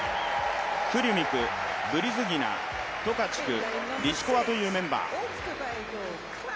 クリュミクブリズギナ、トカチュクリシコワというメンバー。